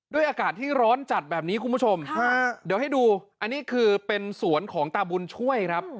อากาศที่ร้อนจัดแบบนี้คุณผู้ชมเดี๋ยวให้ดูอันนี้คือเป็นสวนของตาบุญช่วยครับ